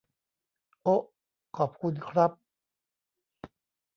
โอ๊ะ ขอบคุณครับ